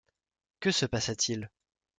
Que se passa-t-il ?